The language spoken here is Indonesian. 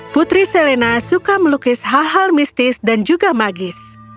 putri selena suka melukis hal hal mistis dan juga magis